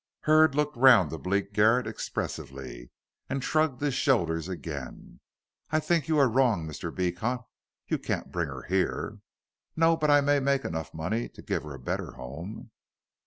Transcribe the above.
Hurd looked round the bleak garret expressively and shrugged his shoulders again. "I think you are wrong, Mr. Beecot. You can't bring her here." "No. But I may make enough money to give her a better home."